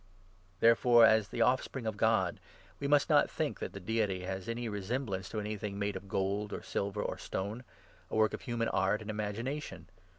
Therefore, as the offspring of God, we must not think that 29 the Deity has any resemblance to anything made of gold, or silver, or stone — a work of human art and imagination.